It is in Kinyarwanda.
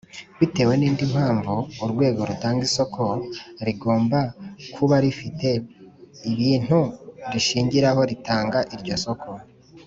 bitewe n indi mpamvu urwego rutanga isoko rigomba kuba rifite ibintu rishingiraho ritanga iryo soko